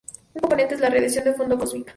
Un componente es la radiación de fondo cósmica.